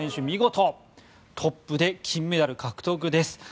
見事トップで金メダル獲得です。